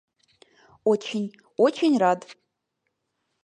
Очень, очень рад!